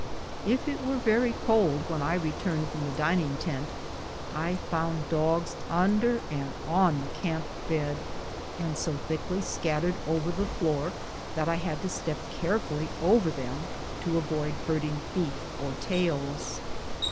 If it were very cold when I returned from the dining tent, I found dogs under and on the camp bed, and so thickly scattered over the floor that I had to step carefully over them to avoid hurting feet or tails.